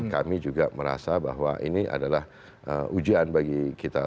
kami juga merasa bahwa ini adalah ujian bagi kita